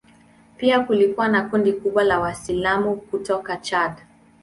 Pia kulikuwa na kundi kubwa la Waislamu kutoka Chad.